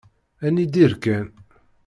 Ad nidir kan.